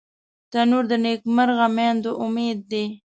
تنور د نیکمرغه میندو امید دی